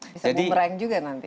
bisa boomerang juga nanti